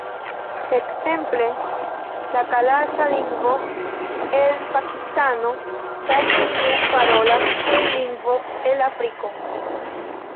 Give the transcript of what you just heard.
Ekzemple, la kalaŝa lingvo el Pakistano kaj ni nun parolas kun lingvo el Afriko